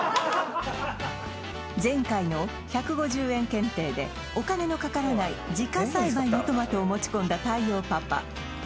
前回の１５０円検定でお金のかからない自家栽培のトマトを持ち込んだ太陽パパ